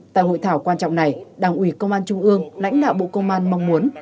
tại hội thảo quan trọng này đảng ủy công an trung ương lãnh đạo bộ công an mong muốn